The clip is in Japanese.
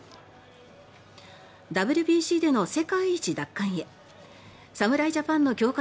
ＷＢＣでの世界一奪還へ侍ジャパンの強化